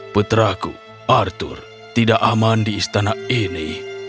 putraku arthur tidak aman di istana ini